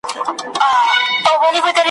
له اغیار به څه ګیله وي په جانان اعتبار نسته ,